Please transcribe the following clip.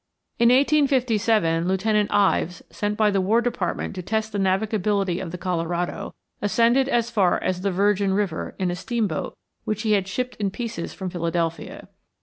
In 1857 Lieutenant Ives, sent by the War Department to test the navigability of the Colorado, ascended as far as the Virgin River in a steamboat which he had shipped in pieces from Philadelphia.